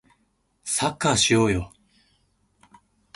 サッカーしようよ